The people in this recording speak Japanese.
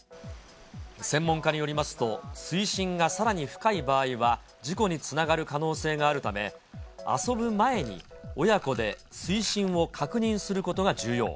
専門家によりますと、水深がさらに深い場合は、事故につながる可能性もあるため、遊ぶ前に親子で水深を確認することが重要。